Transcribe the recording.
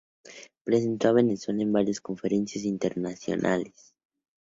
Representó a Venezuela en varias conferencias internacionales.